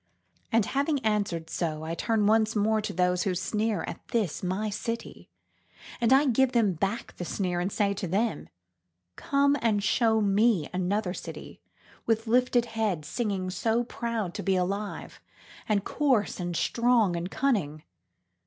And having answered so I turn once more to those who sneer at this my city, and I give them back the sneer and say to them:Come and show me another city with lifted head singing so proud to be alive and coarse and strong and cunning.